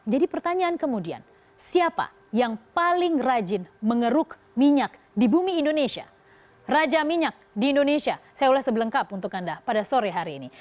jadi pertanyaan kemudian siapa yang paling rajin mengeruk minyak di bumi indonesia raja minyak di indonesia saya ulas sebelengkap untuk anda pada sore hari ini